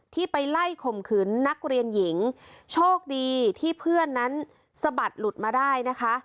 ที่ไปไล่ข่มขืนนักเรียนหญิงโชคดีที่เพื่อนนั้นสะบัดหลุดมาได้นะคะ